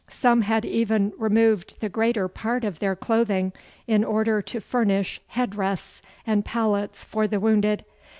Some had even removed the greater part of their clothing in order to furnish head rests and pallets for the wounded.